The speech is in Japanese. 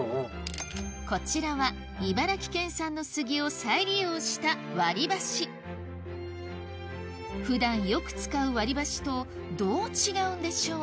こちらは茨城県産の杉を再利用した割箸普段よく使う割箸とどう違うんでしょう？